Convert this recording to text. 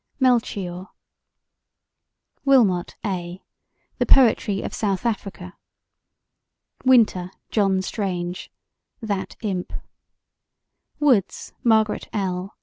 Melchior WILMOT, A.: The Poetry of South Africa WINTER, JOHN STRANGE: That Imp WOODS, MARGARET L.